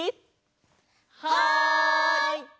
はい！